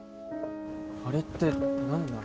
あれって何なの？